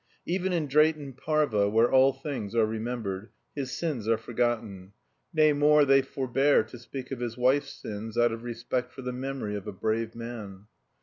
Even in Drayton Parva, where all things are remembered, his sins are forgotten. Nay, more, they forbear to speak of his wife's sins out of respect for the memory of a brave man.